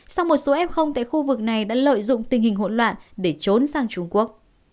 sau một số f tại khu vực này đã lợi dụng tình hình hỗn loạn để trốn sang trung quốc